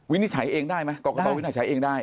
นิจฉัยเองได้ไหมกรกตวินิจฉัยเองได้